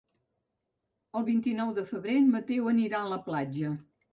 El vint-i-nou de febrer en Mateu anirà a la platja.